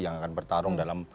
yang akan bertarung dalam